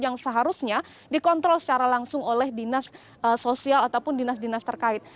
yang seharusnya dikontrol secara langsung oleh dinas sosial ataupun dinas dinas terkait